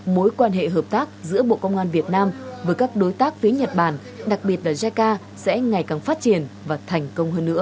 mối quan hệ hợp tác giữa bộ công an việt nam với các đối tác phía nhật bản đặc biệt là jica sẽ ngày càng phát triển và thành công hơn nữa